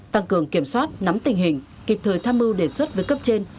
tăng cường kiểm soát nắm tình hình kịp thời tham mưu đề xuất với cấp trên